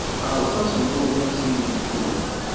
Rreẓ-asen tuɣmas i yimcumen!